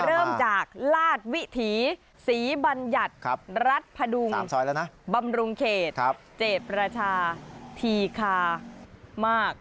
เริ่มจากลาดวิถีศรีบัญญัติรัฐพดุงบำรุงเขตเจตประชาธีคามาก